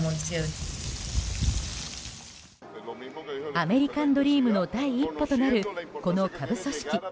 アメリカンドリームの第一歩となる、この下部組織。